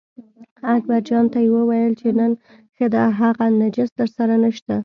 اکبرجان ته یې وویل چې نن ښه ده هغه نجس درسره نشته.